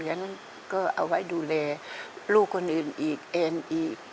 ฉันก็เอาไว้ดูแลลูกคนอื่นอีกแอนอีก